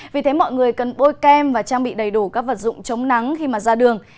vì thế mọi người cần bôi kem và trang bị đầy đủ các vật dụng chống nắng khi mà ra đường